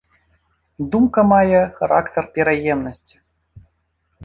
Думка мае характар пераемнасці.